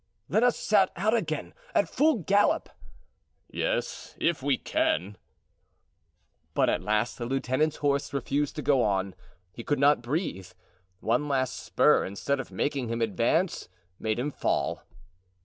"Let us set out again, at full gallop." "Yes, if we can." But at last the lieutenant's horse refused to go on; he could not breathe; one last spur, instead of making him advance, made him fall.